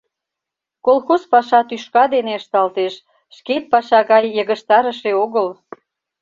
Колхоз паша тӱшка дене ышталтеш, шкет паша гай йыгыжтарыше огыл.